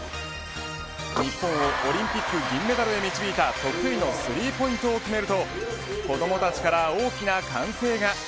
日本をオリンピック銀メダルへ導いた得意のスリーポイントを決めると子どもたちから大きな歓声が。